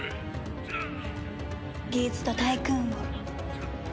ギーツとタイクーンを。